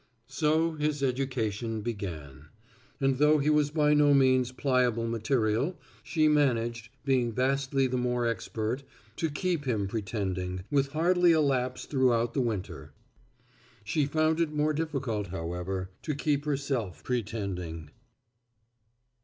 So his education began. And though he was by no means pliable material, she managed, being vastly the more expert, to keep him pretending with hardly a lapse throughout the winter. She found it more difficult, however, to keep herself pretending.